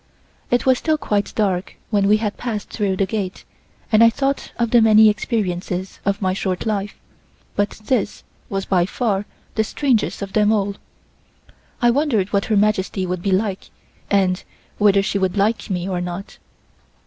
It was still quite dark when we had passed through the gate and I thought of the many experiences of my short life; but this was by far the strangest of them all. I wondered what Her Majesty would be like and whether she would like me or not.